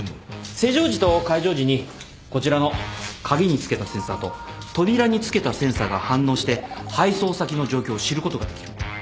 施錠時と解錠時にこちらの鍵に付けたセンサーと扉に付けたセンサーが反応して配送先の状況を知ることができる。